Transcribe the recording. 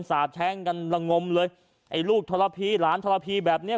สาบแช่งกันละงมเลยไอ้ลูกทรพีหลานทรพีแบบเนี้ย